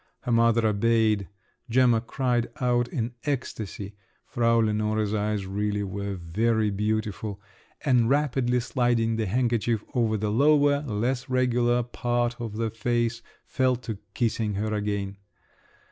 Her mother obeyed; Gemma cried out in ecstasy (Frau Lenore's eyes really were very beautiful), and rapidly sliding the handkerchief over the lower, less regular part of the face, fell to kissing her again.